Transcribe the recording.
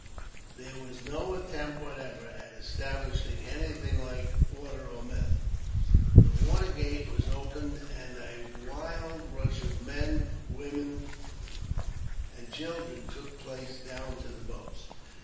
There was no attempt, whatever, at establishing anything like order or method. The watergate was open, and a wild rush of men, women, and children took place down to the boats.